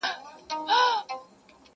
له خوږو او له ترخو نه دي جارېږم.